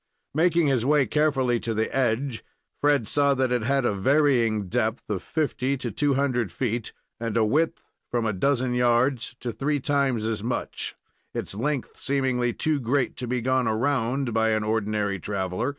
Making his way carefully to the edge, Fred saw that it had a varying depth of fifty to two hundred feet, and a width from a dozen yards to three times as much, its length seemingly too great to be "gone round" by an ordinary traveler.